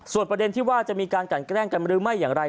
ส่วนประเด็นที่ว่าจะมีการกันแกล้งกันหรือไม่อย่างไร